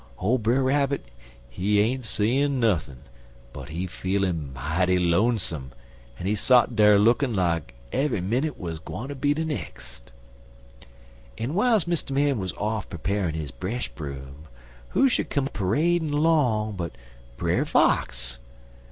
Ole Brer Rabbit, he ain't sayin' nuthin', but he feelin' mighty lonesome, en he sot dar lookin' like eve'y minnit wuz gwineter be de nex'. En w'iles Mr. Man wuz off prepa'r'n his bresh broom, who should come p'radin' long but Brer Fox.